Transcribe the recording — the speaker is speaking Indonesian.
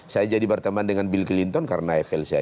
saya jadi berteman dengan bill clinton karena flsa